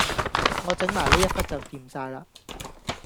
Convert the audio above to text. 我整埋呢一忽就掂晒喇